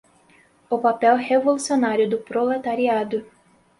o papel revolucionário do proletariado